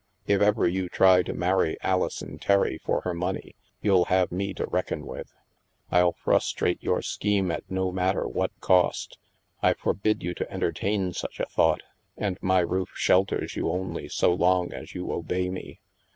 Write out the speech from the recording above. If ever you try to marry Alison Terry for her money, you'll have me to reckon with. I'll frustrate your scheme at no matter what cost. I forbid you to entertain such a thought, and my roof shelters you only just so long as you obey me.